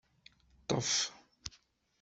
Ṭṭef!